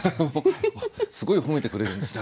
すごい褒めてくれるんですね